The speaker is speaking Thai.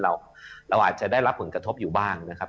เราอาจจะได้รับผลกระทบอยู่บ้างนะครับ